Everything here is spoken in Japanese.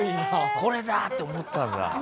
これだ！って思ったんだ。